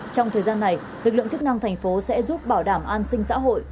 trong thời gian này lực lượng chức năng thành phố sẽ giúp bảo đảm an sinh xã hội